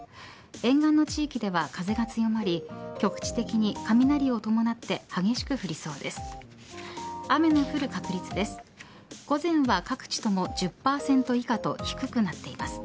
沿岸の地域では風が強まり局地的に雷を伴って激しく降りそうです。